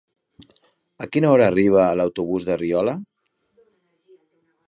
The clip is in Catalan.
A quina hora arriba l'autobús de Riola?